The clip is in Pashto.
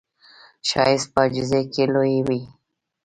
ښایست په عاجزۍ کې لوی وي